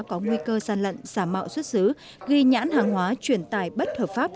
có nguy cơ gian lận xả mạo xuất xứ ghi nhãn hàng hóa chuyển tài bất hợp pháp